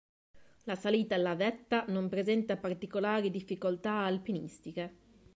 La salita alla vetta non presenta particolari difficoltà alpinistiche.